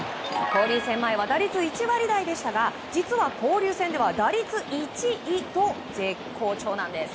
交流戦前は打率１割台でしたが実は交流戦では打率１位と絶好調なんです。